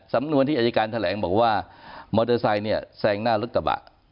สำนวนที่อายการแถลงบอกว่ามอเตอร์ไซค์เนี่ยแซงหน้ารถกระบะ